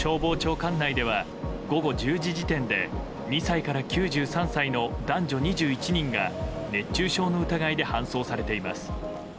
管内では午後１０時時点で２歳から９３歳の男女２１人が熱中症の疑いで搬送されています。